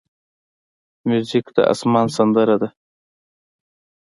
موزیک د آسمان سندره ده.